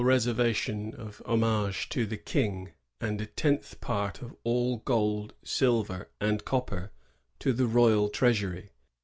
47 reservation of homage to the King, and a tenth part of all gold, silver, and copper to the royal tieasuiy.